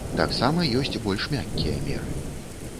Таксама ёсць больш мяккія меры.